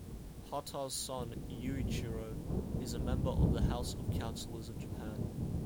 Hata's son, Yuichiro, is a member of the House of Councillors of Japan.